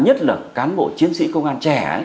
nhất là cán bộ chiến sĩ công an trẻ